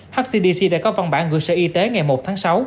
hcdc đã có văn bản gửi sở y tế ngày một tháng sáu